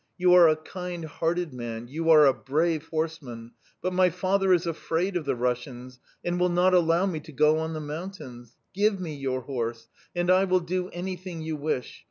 'You are a kindhearted man, you are a brave horseman, but my father is afraid of the Russians and will not allow me to go on the mountains. Give me your horse, and I will do anything you wish.